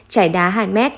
chải đá hai m